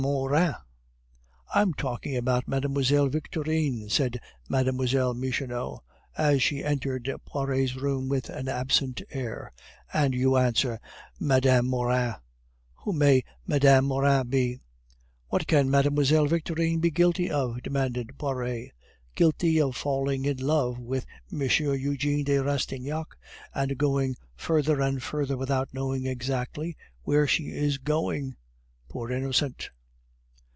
Morin." "I am talking about Mlle. Victorine," said Mlle, Michonneau, as she entered Poiret's room with an absent air, "and you answer, 'Mme. Morin.' Who may Mme. Morin be?" "What can Mlle. Victorine be guilty of?" demanded Poiret. "Guilty of falling in love with M. Eugene de Rastignac and going further and further without knowing exactly where she is going, poor innocent!"